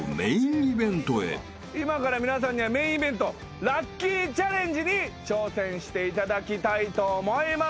今から皆さんにはメインイベントラッキィチャレンジに挑戦していただきたいと思います。